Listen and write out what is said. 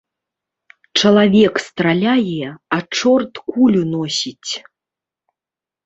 Чалавек страляе, а чорт кулю носіць.